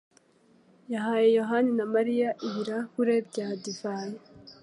yahaye Yohani na Mariya ibirahure bya divayi.